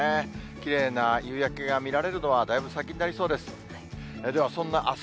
きれいな夕焼けが見られるのは、だいぶ先になりそうです。